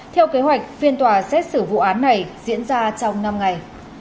theo kế hoạch phiên tòa xét xử vụ án này diễn ra trong năm ngày